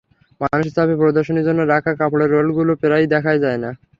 মানুষের চাপে প্রদর্শনীর জন্য রাখা কাপড়ের রোলগুলো প্রায় দেখাই যায় না।